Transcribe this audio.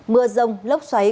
mưa rông lốc xoáy